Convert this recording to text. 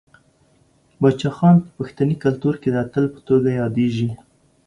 باچا خان په پښتني کلتور کې د اتل په توګه یادیږي.